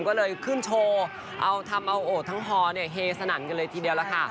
ก็เลยขึ้นโชว์เอาทำเอาโอดทั้งฮอเนี่ยเฮสนั่นกันเลยทีเดียวล่ะค่ะ